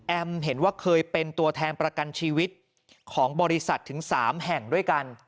เห็นว่าเคยเป็นตัวแทนประกันชีวิตของบริษัทถึง๓แห่งด้วยกัน